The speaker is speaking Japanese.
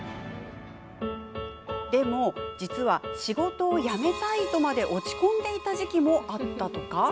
でも実は、仕事を辞めたいとまで落ち込んでいた時期もあったとか。